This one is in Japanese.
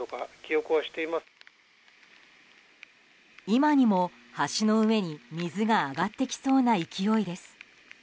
今にも橋の上に水が上がってきそうな勢いです。